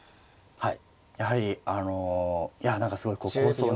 はい。